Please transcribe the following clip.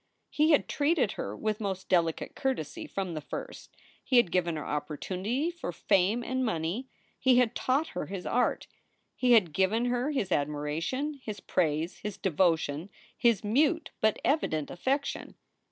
He had treated her with most delicate courtesy from the first, he had given her opportunity for fame and money, he had taught her his art, he had given her his admiration, his praise, his devotion, his mute but evident affection.